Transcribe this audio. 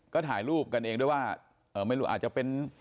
ก็ถ่ายรูปกันเองด้วยว่าไม่รู้อาจจะเป็น